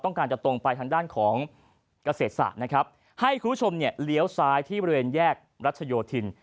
การจะตรงไปทางด้านของเกษตรศาสตร์นะครับให้คุณผู้ชมเนี่ยเลี้ยวซ้ายที่บริเวณแยกรัชโยธิน